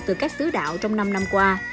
từ các xứ đạo trong năm năm qua